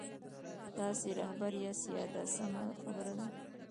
تاسو رهبر یاست دا سمه خبره ده.